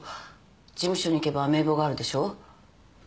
事務所に行けば名簿があるでしょ。